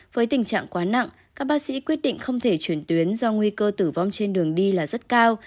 với tình trạng quá nặng các bác sĩ quyết định không thể chuyển tuyến do nguy cơ tử vong trên đường đi là rất cao